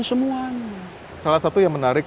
semuanya salah satu yang menarik